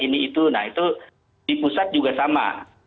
nah itu di pusat juga sama